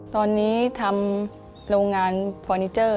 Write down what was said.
ตอนนี้ทำโรงงานฟอร์นิเจอร์